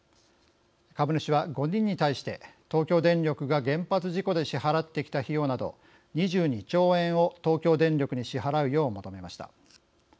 株主は５人に対して東京電力が原発事故で支払ってきた費用など２２兆円を東京電力に支払うよう求めました。